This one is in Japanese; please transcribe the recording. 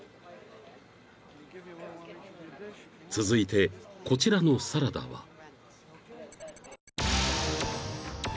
［続いてこちらのサラダは］